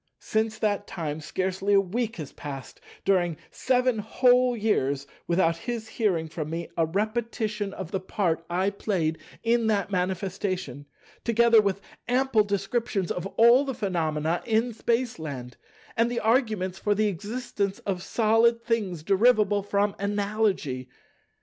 Since that time, scarcely a week has passed during seven whole years, without his hearing from me a repetition of the part I played in that manifestation, together with ample descriptions of all the phenomena in Spaceland, and the arguments for the existence of Solid things derivable from Analogy.